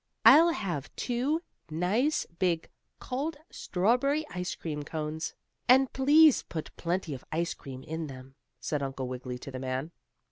"I'll have two, nice, big, cold strawberry ice cream cones, and please put plenty of ice cream in them," said Uncle Wiggily to the man.